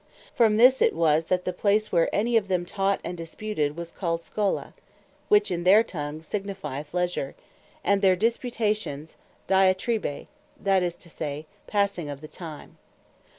From this it was, that the place where any of them taught, and disputed, was called Schola, which in their Tongue signifieth Leasure; and their Disputations, Diatribae, that is to say, Passing of The Time.